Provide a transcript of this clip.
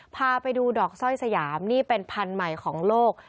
พาไปดูดอกสร้อยสยามนี่เป็นพันธุ์ใหม่ของโลก